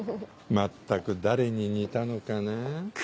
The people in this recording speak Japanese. まったく誰に似たのかな。